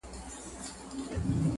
اوس یې د نړۍ په ترټولې